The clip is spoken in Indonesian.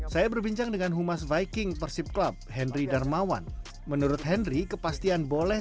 saya berbincang dengan humas viking persib club henry darmawan menurut henry kepastian boleh